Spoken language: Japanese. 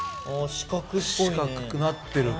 四角くなってるか。